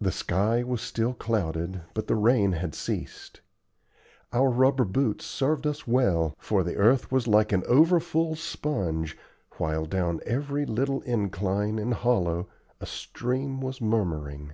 The sky was still clouded, but the rain had ceased. Our rubber boots served us well, for the earth was like an over full sponge, while down every little incline and hollow a stream was murmuring.